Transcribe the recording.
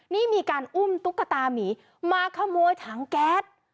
นี่มีการอุ้มตุ๊กตามีมาขโมยถังแก๊ส